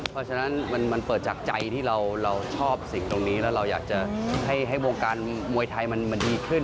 เพราะฉะนั้นมันเปิดจากใจที่เราชอบสิ่งตรงนี้แล้วเราอยากจะให้วงการมวยไทยมันดีขึ้น